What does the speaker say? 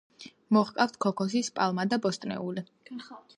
მოჰყავთ ქოქოსის პალმა და ბოსტნეული